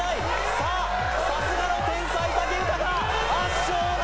さあさすがの天才武豊圧勝だ！